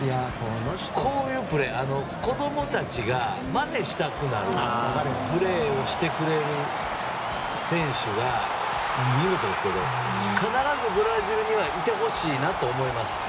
こういう子供たちがまねしたくなるプレーをしてくれる選手が、必ずブラジルにはいてほしいなと思います。